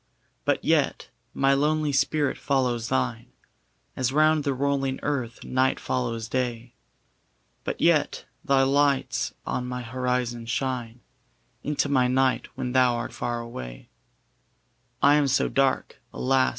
But yet my lonely spirit follows thine, As round the rolling earth night follows day: But yet thy lights on my horizon shine Into my night when thou art far away; I am so dark, alas!